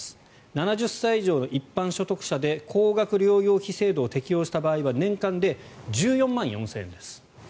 ７０歳以下の一般所得者で高額療養費制度を適用した場合は年間で１４万４０００円です。